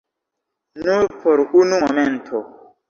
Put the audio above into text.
Nur por unu momento.